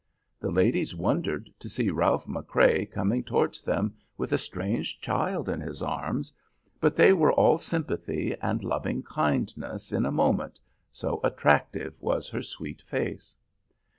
The ladies wondered to see Ralph McCrea coming towards them with a strange child in his arms, but they were all sympathy and loving kindness in a moment, so attractive was her sweet face.